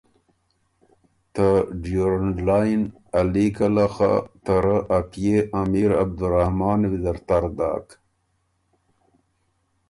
ته ډیورنډ لائن ا لیکه له خه ته رۀ ا پئے امیر عبدالرحمان ویزر تر داک۔